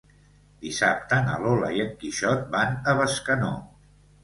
Dissabte na Lola i en Quixot van a Bescanó.